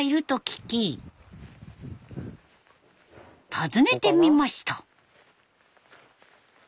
訪ねてみました。